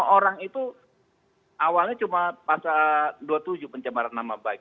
lima orang itu awalnya cuma pasal dua puluh tujuh pencemaran nama baik